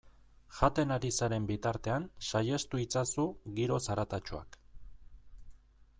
Jaten ari zaren bitartean saihestu itzazu giro zaratatsuak.